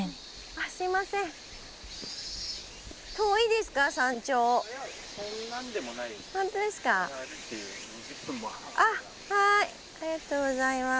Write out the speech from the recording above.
ありがとうございます。